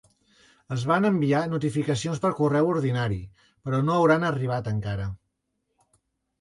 Es van enviar notificacions per correu ordinari, però no hauran arribat encara.